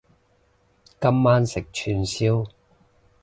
今晚食串燒